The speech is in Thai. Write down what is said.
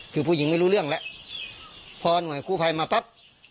คือผู้หญิงไม่รู้เรื่องแล้วพอหน่วยกู้ภัยมาปั๊บ